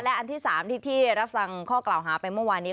อันที่๓ที่รับฟังข้อกล่าวหาไปเมื่อวานนี้